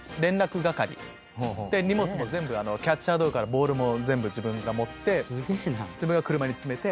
荷物も全部キャッチャー道具からボールも全部自分が持って車に詰めて。